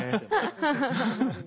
ハハハッ。